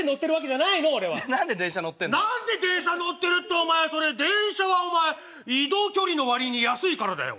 じゃ何で電車乗ってんの？何で電車乗ってるってお前それ電車はお前移動距離の割に安いからだよ。